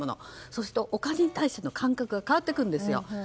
そうするとお金に対しての感覚が変わってくるんですよ。